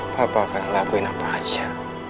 papa akan lakuin apa aja